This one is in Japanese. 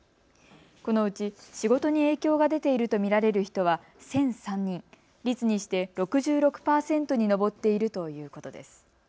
このうち仕事に影響が出ていると見られる人は１００３人、率にして６６％に上っているということです。